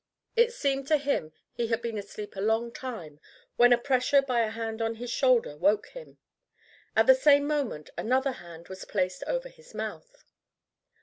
It seemed to him he had been asleep a long time when a pressure by a hand on his shoulder woke him; at the same moment another hand was placed over his mouth.